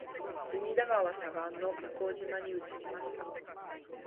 隅田川左岸の向島に移りました